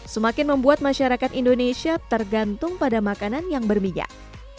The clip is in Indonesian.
semakin membuat masyarakat indonesia tergantung pada makanan yang berminyak